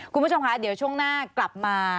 คุณผู้ชมคะเดี๋ยวช่วงหน้ากลับมา